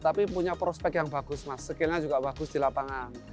tapi punya prospek yang bagus mas skillnya juga bagus di lapangan